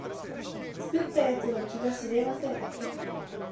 作った奴の気が知れません